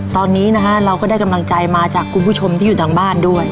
ตอนนี้นะฮะเราก็ได้กำลังใจมาจากคุณผู้ชมที่อยู่ทางบ้านด้วย